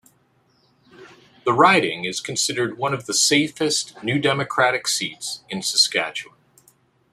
The riding is considered one of the safest New Democratic seats in Saskatchewan.